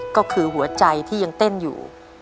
ก็คือหัวใจที่ยังเต้นอยู่